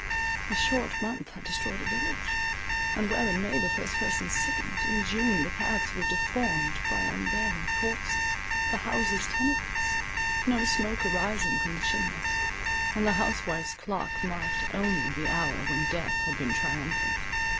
A short month has destroyed a village, and where in May the first person sickened, in June the paths were deformed by unburied corpses—the houses tenantless, no smoke arising from the chimneys; and the housewife's clock marked only the hour when death had been triumphant.